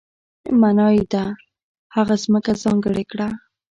معنا یې ده هغه ځمکه ځانګړې کړه.